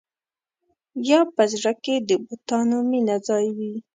یا په زړه کې د بتانو مینه ځای وي.